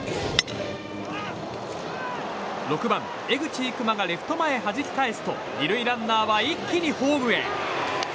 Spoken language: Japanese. ６番、江口生馬がレフト前へはじき返すと２塁ランナーは一気にホームへ。